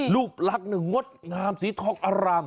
รูปลักษณ์งดงามสีทองอร่าม